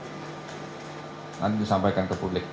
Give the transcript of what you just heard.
hai nanti disampaikan